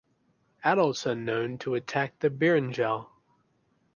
Adults are known to attack brinjal.